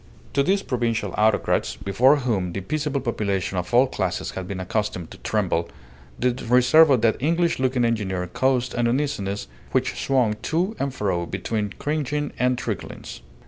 To these provincial autocrats, before whom the peaceable population of all classes had been accustomed to tremble, the reserve of that English looking engineer caused an uneasiness which swung to and fro between cringing and truculence.